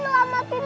kenzo aku mau pergi